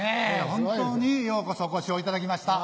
本当にようこそお越しをいただきました。